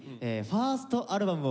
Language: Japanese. ファーストアルバム。